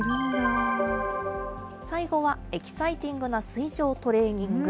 最後は、エキサイティングな水上トレーニング。